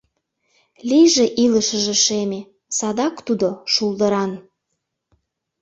Лийже илышыже шеме, Садак тудо — шулдыран.